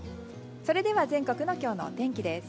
それでは全国の今日のお天気です。